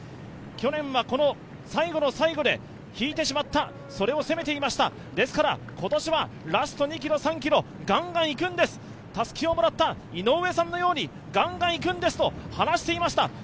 去年は最後の最後で引いてしまった、それを責めていました、ですから今年はラスト２ｋｍ、３ｋｍ、ガンガンいくんです、たすきをもらった井上さんのようにガンガンいくんですと話していました。